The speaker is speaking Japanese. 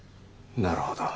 なるほど。